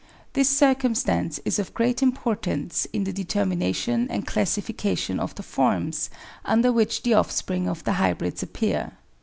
This circumstance is of great importance in the determination and classification of the forms under which the offspring of the hybrids appear.